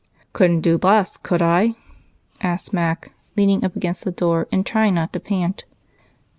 "Couldn't do less, could I?" asked Mac, leaning up against the door and trying not to pant.